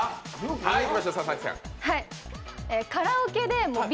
カラオケでＢ